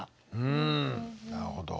うんなるほど。